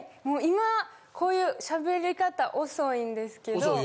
もう今こういう喋り方遅いんですけど。